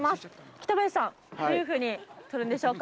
北林さん、どういうふうに取るんでしょうか。